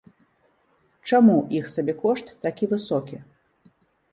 Чаму іх сабекошт такі высокі?